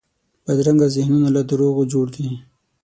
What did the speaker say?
بدرنګه ذهنونه له دروغو جوړ دي